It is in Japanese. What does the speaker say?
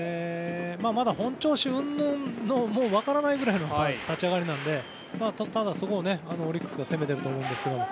まだ本調子うんぬん分からないぐらいの立ち上がりなのでただ、そこもオリックスが攻めてると思うんですけど。